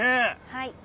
はい。